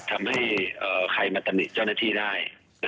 ทำให้ใครมาตำหนิเจ้าหน้าที่ได้